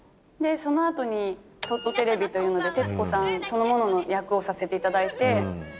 その後に『トットてれび』というので徹子さんそのものの役をさせていただいて。